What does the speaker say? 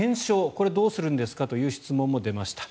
これをどうするんですかという質問も出ました。